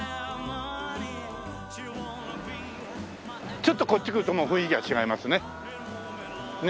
ちょっとこっち来るともう雰囲気が違いますね。